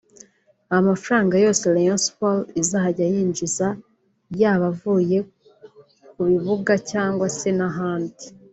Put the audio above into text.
Amafaranga yose Rayon Sports izajya yinjiza yaba avuye ku bibuga cyangwa se n’ahandi